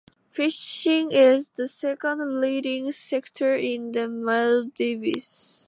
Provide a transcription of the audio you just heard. Fishing is the second leading sector in the Maldives.